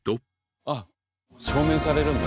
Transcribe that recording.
あっ証明されるんだ。